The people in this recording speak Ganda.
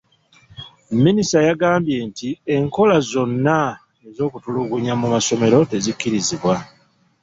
Minisita yagambye nti enkola zonna ez'okutulugunya mu masomero tezikkirizibwa.